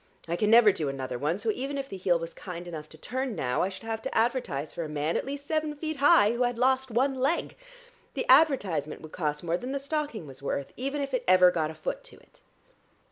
I can never do another one, so even if the heel was kind enough to turn now, I should have to advertise for a man at least seven feet high who had lost one leg. The advertisement would cost more than the stocking is worth, even if it ever got a foot to it.